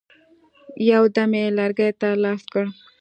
یو دم یې لرګي ته لاس کړ.